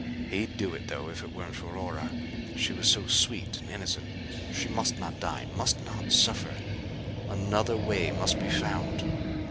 He'd do it though, if it weren't for Ora. She was so sweet and innocent. She must not die; must not suffer. Another way must be found.